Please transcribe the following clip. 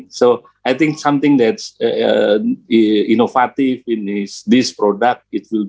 jadi saya pikir sesuatu yang inovatif dalam produk ini